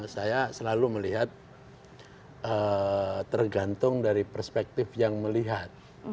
saya selalu melihat tergantung dari perspektif yang melihat